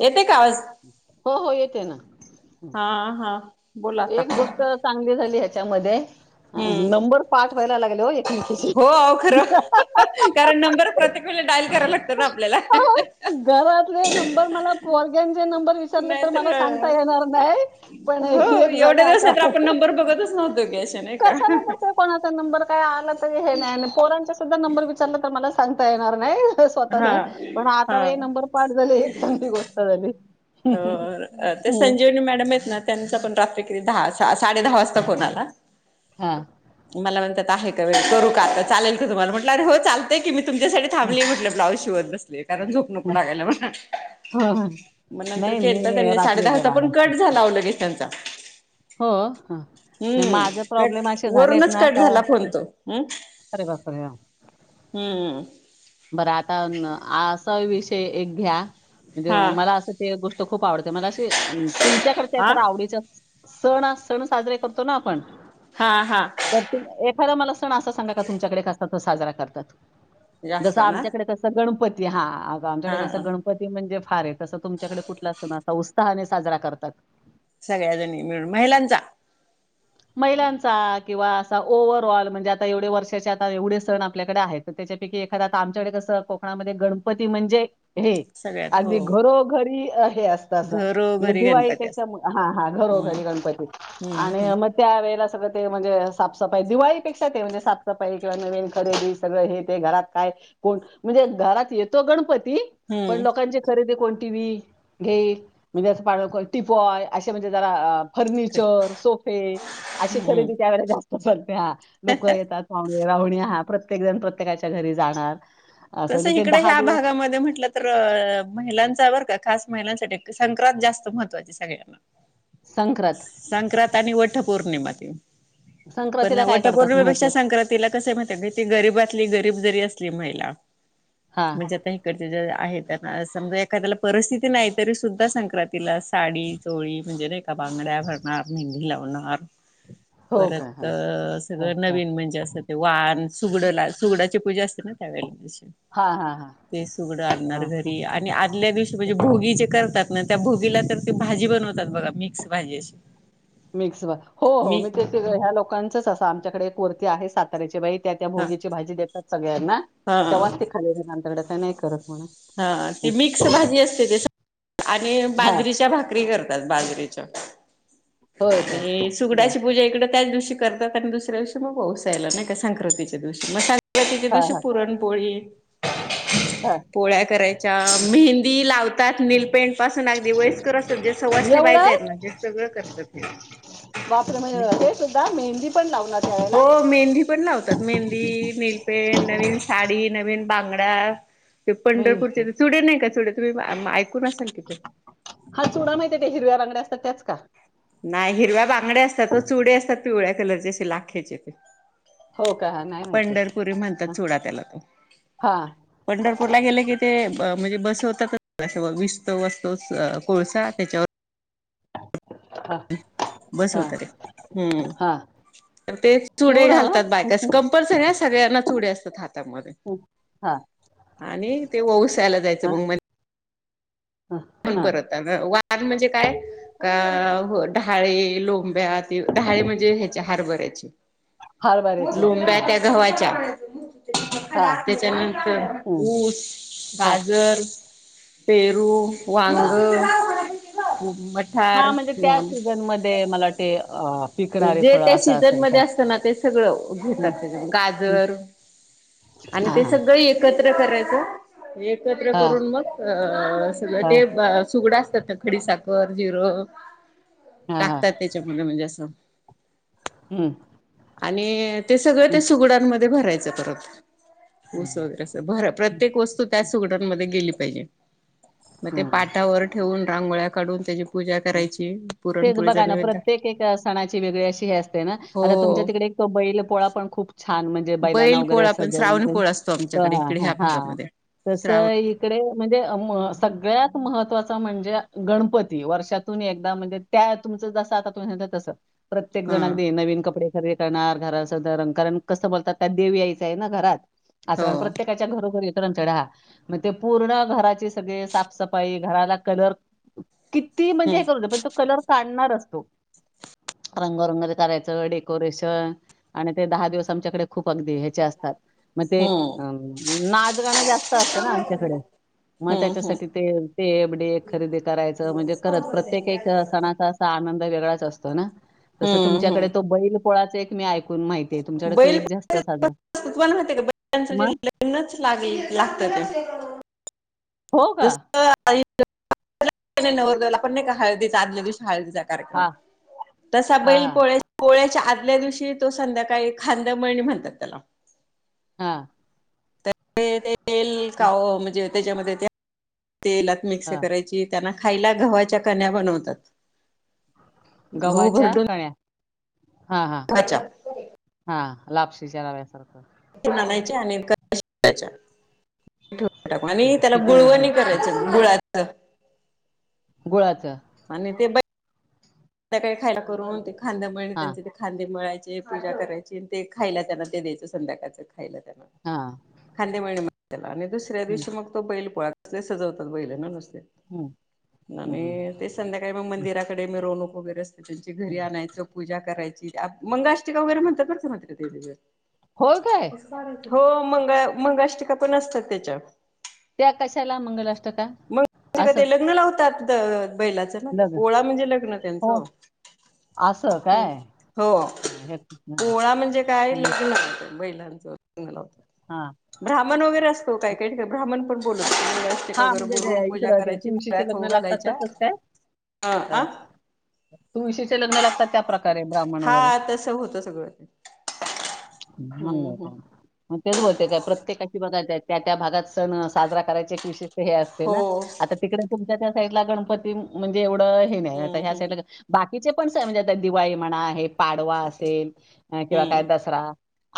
येतय का आवाज? हो हो येते ना हा हा बोला आता एक गोष्ट चांगली झाली ह्याच्यामध्ये हम्म नंबर पाठवा्हायला लागले हो एकमेकीची. हो अहो खरं कारण नंबर प्रत्येक वेला डाईल करायला लागतो ना आपल्याला. घरातले नंबर मला पर्ग्यांचे नंबर विचारले नाहीतर मला सांगता येणार हो नाही एक जण एवढ्या दिवस आता नाही तर आपण नंबर बघतच नव्हतो की असे नाही स का [inaudible] कोणाचा नंबर काय आला तरी हे नाही आणि पोरांचा सुद्धा नंबर विचारला तर मला सांगता येणार नाही. हा स्वतः पण हा आता नंबर पाठ झाले, एक चांगली गोष्ट झाली. हं ते हम्म. संजीवनी मॅडम आहेत ना, त्यांचा पण रात्री क दहा साडे वाजता फोन आला. हा मला म्हणतात आहे का वेळ करू का आता चाल का तुम्हाला अरे हो चालतय की मी तुमच्यासाठी हा, थांबली म्हटलं ब्लाउज शिवत बसली कारण झोप नको लागायला म्हणलं. हो हा मग नंतर नाही केलता मी त्यांनी साडे रात्री दहाचा जरा आला पण असते कट झाला अव लगेच त्यांचा. हो हा नाही हम्म माझे कट प्रॉब्लेम असे झालेत वरूनच ना कट का झाला फोन तो, हम्म अरे बापरे! हां. हम्मम बरं आता असा विषय एक घ्या म्हणजे हा मला असं ते गोष्ट खूप आवडते मला अशी तुमच्याकडच्या हा एख आवडीच सण सण साजरे करतो ना आपण, हा हा तर तुम एखादा मला सण असा सांगा का तुमच्याकडे कसा तो साजरा करतात. जास्त जसं ना आमच्याकडे कसं गणपती हा, अ आमच्याकडे हा. कसं गणपती म्हणजे फार आहे तसं तुमच्याकडे कुठला अस ना उत्साहाने साजरा करतात. सगळ्याजणी मिळून महिलांचा. महिलांचा किंवा असा ओव्हर ऑल म्हणजे आता एवढे वर्षाचे आता एवढे सण आपल्याकड आहेत. तर त्याच्यापैकी एखादा आता आमच्याकडे कसं कोकणामध्ये गणपती म्हणजे हे. सगळ्यात हो अगदी घरोघरी हे अस. [inaudible] म्हणजे घरोघरी गणपती दिवाळीपेक्षा असतात. हा हा हम्म घरोघरी गणपती आणि हम्म म. त्या वेळेला सगळं ते म्हणजे साफसफाई दिवाळीपेक्षा ते म्हणजे साफसफाई किंवा नवीन खरेदी. सगळ हे ते घरात काय कोण म्हणजे घरात येतो गणपती पण हम्म लोकांचे. खरेदी कोणती बी घेल म्हणजे असं [inaudible] टिपवाय असे म्हणजे जरा अ. फर्निचर सोफे अशी हम्म. खरेदी त्यावेेळे जास्त चालत्या लोक येतात. पाहूणे राहुणे हा प्रत्येक जण प्रत्येकाच्या घरी जाणार. असं म्हणजे तसं ते इकडे ह्या दिवस भागामध्ये म्हटल. तर महिलांचा बरं का खास महिलांसाठी संक्रांत जास्त महत्त्वाची सगळ्यांना. संक्रांत. संक्रांत आणि वठ पौर्णिमाते. पण संक्रांतीला काय करतात महत्त्व? वटपौर्णिपेक्षा संक्रांतीला कस माहि. ती गरीबातली गरीब जरी असली महिला. हां. [unintelligible] जे आहेत त्यांना समजा एखाद्याला परिस्थिती नाही तरी सुद्धा संक्रांत. तिला साडी चोळी म्हणजे नाही का बांगड्या भरणार मेहंदी लावणार. हो का? परत हां. हां, सगळं हां. नवीन. म्हणजे असं ते वान सुगड ला सुगडाची पूजा असते ना त्यावेळेल. हा हा हम्म. ते सुगडं आणणार घरी आणि आदल्या दिवशी म्हणजे भोगी जे करतात. न त्या भोगीला तर ते भाजी बनवतात बघा. मिक्स भाजी अशी मिक्स भा हो हो मी ते. तिज ह्या लोकांचच असं आमच्याकडे एक वर्ती आहे साताऱ्याची बाई. त्या त्या हा भोगीचे भाजी देतात सगळ्यांना हा तेव्हाच ते खाली [inaudible] काही नाही करत. म्हणा. हा ते मिक्स भाजी असते ते आणि हां. बाजरीच्या भाकरी करतात बाजरी. होय काय? [unintelligible] बरं. सुगडाची पूजा इकडं. त्याचं दिवशी करतात आणि दुसऱ्यादिवशी मग वोवसायला नायका संक्रातीच्या दिवशी म सं. बाकीच्या हां, दिवशी पुरणपोळी. हम. पोळ्या करायच्या मेहंदी लावतात नीलपेंट. पासून अगदी वयस्कर असतात जे सवासनी एवढं? बायका आहेत ना ते सगळं करतात. हे बापरे म्हणजे हे सुद्धा मेहंदी पण लावलात. हो मेहंदी. पण लावतात मेहंदी नीलपेंट नवीन साडी नवीन बांगड्या. ते बाई पंढरपूरचे चुडे नाही का चुडे तुम्ही म ऐकून असाल कि ते. हा चुडा माहित आहे त्या हिरव्या बांगड्या असतात त्याच का. नाही हिरव्या बांगड्या असतात व चुडे असतात पिवळ्या कलरचे असे लाखेचेते. हो का हा नाही माहिती पंढरपुरी म्हणतात चुडा त्याला तो. हा पंढरपूरला गेले की ते म्हणजे बसवतातच असं व विस्तव असतो कोळसा त्याच्यावर. हा बस हा होत ते हा हम्म ते चुडे एवढं घालतात हं, बायकास हं, कम. पण सगळ्या सगळ्यांना चुडे असतात हातामध्ये. ऊ हा. आणि ते वोवसायला जायचं हा, बग म. हा वान म्हणजे काय अ ह डहाळे, लोंब्या ते ढाळे म्हणजे ह्याच्या हारभऱ्याचे हरभऱ्याचे लोंब्या हा त्या घवाच्या हा त्याच्यानंतर हं, ऊस, हा गाजर पेरू, वांग हा व म हा थार म्हणजे त्या मॉन सीझन मध्ये मला वाटते अं, पिकणारे जे फळ त्या असं सीजन असेल काय मध्ये असत ना तेच सगळ घेतात हं, त्याच्यामध्ये हं. गाजर आणि हा ते सगळ एक कत्र करायच एकत्र हा करून मग अ सगळ हा सुगड असतात त्या खडीसाखर, जिरं हा हा टाकतात त्याचेमुळं म्हणजे असं हम्म आणि ते सगळं त्या सुगडांमध्ये भरायचं परत ऊस हं, वगरे सग भर प्रत्येक वस्तू त्या सुगडांमध्ये गेली पाहिजे म ते हं. पाटावर ठेवून रांगोळ्या काढून त्याची पूजा करायची तेच पुरणपोळीचा बघा ना नैवेद्य प्रत्येक एका सणाची वेगळी अशी हे असते ना आता तुमच्या हो तिकडे तो बैल पोळा पण खूप छान म्हणजे बैलांना बैल वगैरे पोळा पण सजवून श्रावणी ठेऊन पोळा असतो ह आमच्याकडे इकडे हा ह्या हा भागामध्ये तस श्रावण इ इकडे म्हणजे म सगळ्यात महत्वाचा म्हणजे गणपती वर्षा तुन एकदा म्हणजे त्या तुमच जस आता तुम्ही सांगितलं तस प्रत्येक हा जण अगदी नवीन कपडे खरे करणार घराचं द रंकारण कस बोलतात त्या देव यायचाय ना घरात हो असण प्रत्ये त्यच्या घरोघरी येतो ना आमच्याकड हा म ते पूर्ण घराची सगळी सापसाफाई घराला कलर किती म्हणजे हम्म हे करूदे पण तो कलर काढणारच तो रंगरंगोळी करायचं डेकोरेशन आणि ते दहा दिवस आमच्याकडे खूप अगदी ह्यचे असतात म ते हम्म अ नाचगाणं जास्त असतं ना आमच्याकडे मग हम्म हम्म त्याच्यासाठी ते, ते एबडे खरेदी करायचं म्हणजे खरंच प्रत्येक एक सणाचा असा आनंद वेगळाच असतो ना तसं हम्म तुमच्याकडे तो हम्म बैल पोळाचं एक मी एक ते तुमच्याकडे तो बैल एक जास्त तुम्हाला माहिती का? बैलांचा जे मग लग्नंच लागले लागतं ते हो का? लग्नाच्या आधी आपण नाही का नवरदेवाला हळदीचा आदल्या दिवशी हळदीचा कार्यक्रम हां, तसा हां, बैल हां, पोळ्या पोळ्याच्या आदल्या दिवशी तो संध्याकाळी खांदेमळणी म्हणतात त्याला हा तर ते तेल काव म्हणजे त्याच्यामध्ये ते तेलात मिक्स हां. करायची त्यांना खायला गव्हाच्या कण्या बनवतात गहू गव्हाच्या भरडून कण्या हा, हा गव्हाच्या हा लापशीच्या रव्याचं [unintelligible] [unintelligible] टाकून आणि हं, त्याला किती हं. गुळवणी करायचं गुळाचं गुळाचं आणि ते बैलाला त्या संध्याकाळी खायला करून ते खांदंमळणी हां, त्यांचे ते खांदे मळायचे पूजा करायची आणि ते खायला त्यांना ते द्यायचं संध्याकाळचं खायला त्यांना हा खांदेमळणी म्हणतात त्याला आणि दुसऱ्या दिवशी मग तो बैल पोळा जे सजवतात बैलांना नुसते हं. आणि हम्म. ते संध्याकाळी मग मंदिराकडे मिरवणूक वगैरे असते त्यांची घरी हम्म. आणायचं, पूजा करायची, मंगलाष्टिका वगैरे म्हणतात बरं का मात्र ते त्याच्या. होय काय? हो, मंगळा मंगलाष्टिका पण असतात त्याच्या. त्या कशाला मंगलाष्टका मंगलाष्टिका असं ते लग्न लावतात. बैलाचं ना ते लग्न पोळा म्हणजे लग्न हो त्यांचं. असं ह्, काय हो. हा हे हा पोळा म्हणजे काय हम्म. लग्न बैलांचं. लग्न लावतात. हा. ब्राह्मण वगैरे असतो. काही काही ठिकाणी ब्राह्मण पण बोलवतात. हा, म्हणजे इकडं तुळशीचे जे लग्न लागतात घालायच्या तसंच काय? अ हा. आ तुळशीचे लग्न लागतात त्या प्रकारे, ब्राह्मण हा वगैरे. तसं होतं सगळं ते. हम्म हम्म [unintelligible] मग तेच बोलते काय, प्रत्येकाची बघा त्या-त्या भागात सणं साजरा करायची एक विशिष्ट हे असते हो ना. आता तिकडे तुमच्या त्या साईडला, गणपती म्हणजे एवढं हे नाही. आता हम्म ह्या हम्म साईडला बाकीचे पण सण म्हणजे आता दिवाळी म्हणा, हे पाडवा असेल किंवा काय दस रा.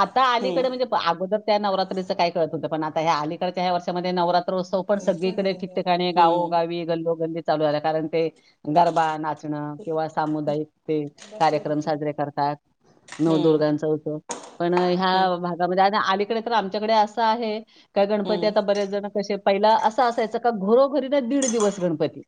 आता अलीकडे हम्म म्हणजे अगोदर त्या नवरात्रीचं काय कळत नव्हतं पण आता ह अलीकडच्या ह्या वर्षामध्ये नवरा त्र उत्सव पण हम्म सगळीकडे ठिकठिकाणी गावो हम्म गावी गल्लोगल्ली चालू झालं. कारण ते गरबा, नाच चणं किंवा सामुदायिक, ते हम्म कार्यक्रम साजरे करतात. हम्म नवदुर्गांचा उत्सव पण, हम्म ह्या भागामध्ये आता अलीकडे तर आमच्याकडे असं आहे काय गणपती हम्म आता बरेचजण कसे पहिला असं असायचं का घरोघरी ना दीड दिवस गणपती.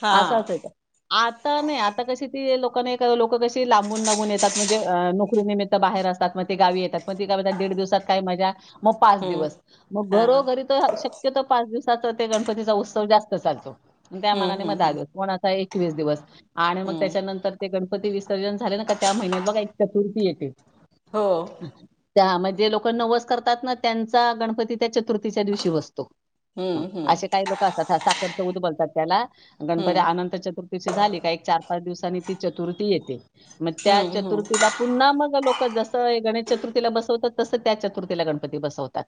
हा असं असायचं. आता नाही, आता कशी ती लोकं नाही का लोक कशी लांबून लांबून येतात म्हणजे नोकरीनिमित्त बाहेर असतात. मग ते गावी येतात, पण ते काय म्हणतात दीड दिवसात काय मजा? मग पाच हम्म दिवस. मग हा घरोघरी तसं शक्यतो पाच दिवसाचा ते गणपतीचा उत्सव जास्त चालतो. त्या हम्म मनाने हम्म मग हम्म [unintelligible] कोणाचा एकवीस दिवस आणि मग हम्म त्याच्यानंतर ते गण पती विसर्जन झाले ना का त्या महिन्यात बघा एक चतुर्थी येते, हो त्या मग जे लोक नवस करतात ना त्यांचा गणपती त्या चतुर्थीच्या दिवशी बसतो, हम्म हम्म असे काही लोक असतात ह साखरच उद बोलतात त्याला, गणपती हम्म अनंत चतुर्थीची झाली का एक चार पाच दिवसांनी ती चतुर्थी येते. मग त्या हम्म हम्म चतुर्थीला पुन्हा मग लोक जसं गणेश चतुर्थीला बसवतात तसं त्या चतुर्थीला गणपती बसवतात.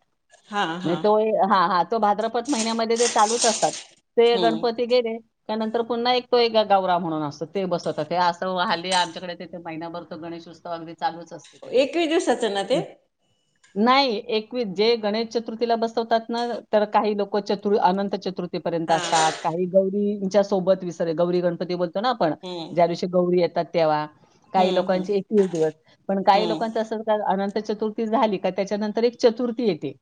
हा म्हणे हा तो हा हा तो भाद्रपद महिन्यामध्ये ते चालूच असतात. ते हम्म गणपती गेले त्यानंतर पुन्हा एक तो एक गौराव म्हणून असतो ते बसतात हे असं हल्ली आमच्याकडे तथे महिनाभर ते गणेश उत्सव चालूच असते. एकवीस दिवसाचं ना ते? [inaudible] नाही एकवीस जे गणेश चतुर्थीला बसवतात ना तर काही लोक चतुर् अनंत चतुर र्थी पर्यंत हा असतात काही गौरींच्या सोबत विसर गौरी गणपती बोलतो ना आपण हम्म ज्या दिवशी गौरी येतात तेव्हा काही हम्म हम्म लोकांचे एकवीस दिवस पण काही लोक हम्म च अनंत चतुर्थी झाली का त्याच्यानंतर एक चतुर्थी येते,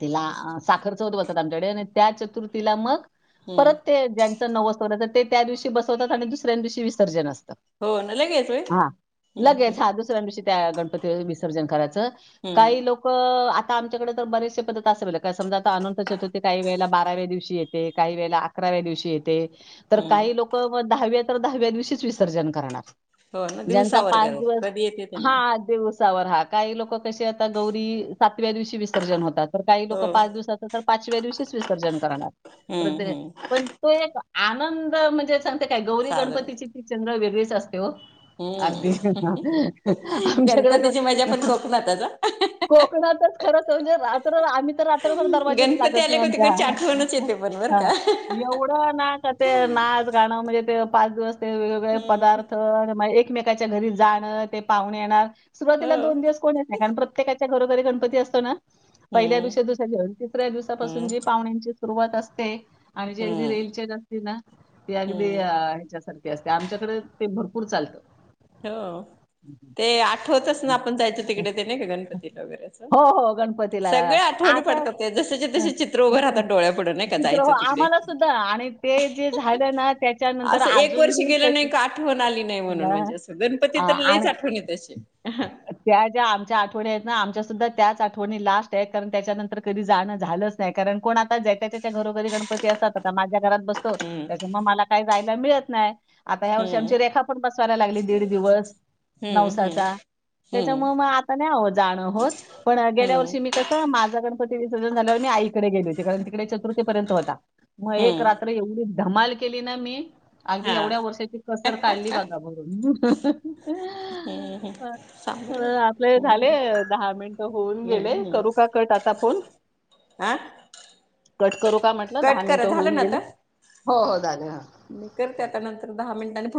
तिला साखर चौथ बोलतात आमच्याकडे त्या चतुर्थीला मग हम्म परत ते ज्यांचं नवस ते त्या दिवशी बसवतात आणि दुसऱ्या दिवशी विसर्जन असतं हो ना लगेच वय हा हू लगेच हू हा दुसऱ्या दिवशी त्या गणपती विसर्जन करायचं हम्म काही लोक आता आमच्याकड तर बरचसे पद्धत असे बघा काय समजा आता अनंत चतुर्थी काही वेळेला बाराव्या दिवशी येते काही वेळेला अकराव्या दिवशी येते तर हम्म काही लोक म दहाव्या तर दहाव्या दिवशीच विसर्जन करणार हो ना दिवसा ज्यांचा वर पाच कर दिवस कधी येते ते नाही हा दिवसावर हा काही लोक कसे आता गौरी सातव्या दिवशी विसर्जन होतात तर काही हो लोक पाच दिवसाच तर पाचव्या दिवशीच विसर्जन करणार हम्म हम्म पण ते एक आनंद म्हणजे सांगते काय गौरी साजरं गणपतीची ती चंगळ वेगळीच असते ओ अगदी हम्म आमच्याकड तर गणपतीची मजा पण कोकणातच हा कोकणातच खरच म्हणजे तर आम्ही तर रात्रभर दरवाजेच गणपती लागत आले नाही का आमच्या तिकडची आठवणच येते पण बरं हा का एवढं ना ते नाच गाणं म्हणजे ते पाच दिवस ते वेगवेगळे हम्म पदार्थ म एकमेकाच्या घरी जाणं ते पाहूने येणार हो सुरुवातीला दोन दिवस कोण येत नाही कारण प्रत्येकाच्या घरोघरी गणपती असतो ना पहिल्या हम्म दिवशी दुसरा दिवस तिसऱ्या दिवसापासून हम्म जी पाहुण्यांची सुरुवात असते आणि जी अगदी हम्म रेलच्या सती ना ती अगदी हम्म ह्याच्यासारखी ते असते आमच्याकड ते भरपूर चालतं हो ते आठवतच ना आपण जायचं तिकडे ते नाही का गणपतीला वगैरेचं हो, हो. गणपतीला. सगळे आठवणी आता पडतात ते जसे च्या तसे चित्र उभं राहतात डोळ्या पुढ नाही का चित्र हो, जायचं तिकडे आम्हाला सुद्धा आणि ते जे झालं ना त्याच्यानंतर असं एक वर्ष अजूनही गेलं नाही तशीच का आठवण आली नाही म्हणून अ, म्हणजे अस गणपती आ तर लई आणि आठवण येत्या अशी त्या ज्या आमच्या आठवणी आहेत ना आमच्या सुद्धा त्याच आठवणी लास्ट आहेत कारण त्याच्यानंतर कधी जाणं झालंच नाही कारण कोण आता जय त्या त्याच्या घरोघरी गणपती असतात आता माझ्या घरात बसतो हम्म त्याच्यामुळ मला काय जायला मिळत नाही आता या वर्षी हम्म आमची रेखा पण बसवायला लागली दीड दिवस हम्म नवसाचा हम्म त्याच्यामुळ म आता नाही अवो जाणं होत पण हम्म गेल्या हम्म वर्षी मी कसं माझा गणपती विसर्जन झाल्यावर मी आईकडे गेली होती कारण तिकडे चतुर्थीपर्यंत होता म एक रात्र हम्म एवढी धमाल केली ना मी अगदी हा एवढ्या वर्षाची कसर काढली बघा म भरून हू ह आपले झाले दहा मिनट होऊन हम्म गेले करू का कट आता फोन आ कट करू का म्हटलं दहा करा मिनटं झालं होऊन ना गेले आता हो हो झाले हा मी करते आता नंतर दहा मिनटांनी फोन